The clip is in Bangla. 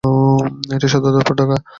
এটির সদরদপ্তর ঢাকা।